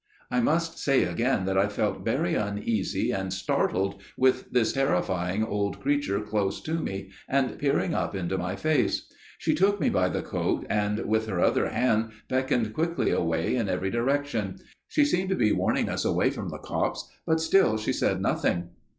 I must say again that I felt very uneasy and startled with this terrifying old creature close to me and peering up into my face. She took me by the coat and with her other hand beckoned quickly away in every direction. She seemed to be warning us away from the copse, but still she said nothing.